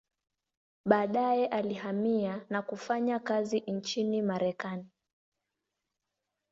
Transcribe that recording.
Baadaye alihamia na kufanya kazi nchini Marekani.